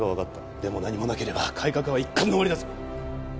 でも何もなければ改革派は一巻の終わりだぞ。